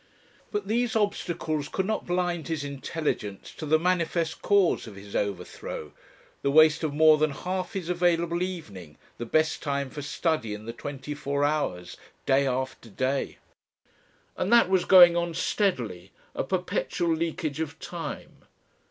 But these obstacles could not blind his intelligence to the manifest cause of his overthrow, the waste of more than half his available evening, the best time for study in the twenty four hours, day after day. And that was going on steadily, a perpetual leakage of time.